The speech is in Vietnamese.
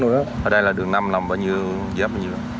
ở đây là đường năm làm bao nhiêu giáp